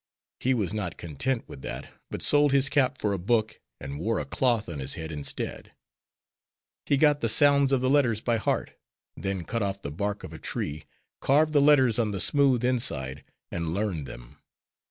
He was not content with that, but sold his cap for a book and wore a cloth on his head instead. He got the sounds of the letters by heart, then cut off the bark of a tree, carved the letters on the smooth inside, and learned them.